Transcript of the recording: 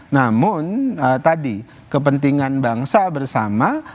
namun tadi kepentingan bangsa bersama